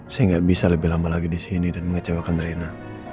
saya gak bisa lebih lama lagi disini dan mengecewakan rena